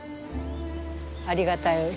ありがたい。